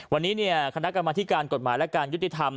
วันนี้คณะกรรมธิการกฎหมายและการยุติธรรม